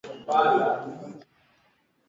kwao wanakuwa wakieleza mambo inatokekana